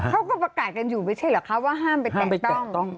เขาก็ประกาศกันอยู่ไม่ใช่เหรอคะว่าห้ามไปแต่งต้อง